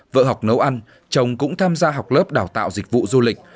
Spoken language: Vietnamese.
vợ học nấu ăn chồng cũng tham gia học lớp đào tạo dịch vụ du lịch